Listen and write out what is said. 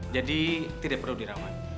jadi tidak perlu dirawat